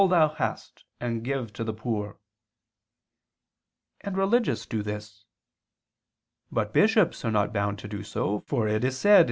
'what'] "thou hast, and give to the poor"; and religious do this. But bishops are not bound to do so; for it is said (XII, qu.